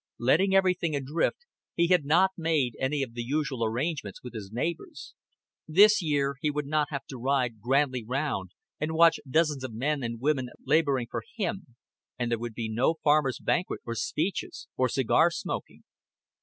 Letting everything drift, he had not made any of the usual arrangements with his neighbors; this year he would not have to ride grandly round and watch dozens of men and women laboring for him; and there would be no farmers' banquet or speeches or cigar smoking.